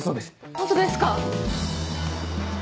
ホントですか？